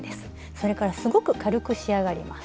それからすごく軽く仕上がります。